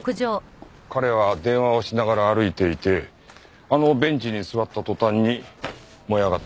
彼は電話をしながら歩いていてあのベンチに座った途端に燃え上がったんだ。